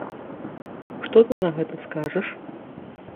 Што ты на гэта скажаш?